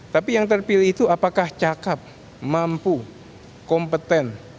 tapi yang terpilih itu apakah cakep mampu kompeten